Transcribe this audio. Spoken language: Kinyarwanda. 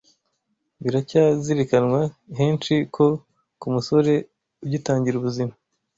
biracyazirikanwa henshi ko, ku musore ugitangira ubuzima